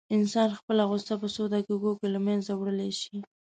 انسان خپله غوسه په څو دقيقو کې له منځه وړلی شي.